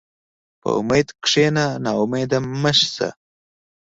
په امید کښېنه، ناامیده مه شه.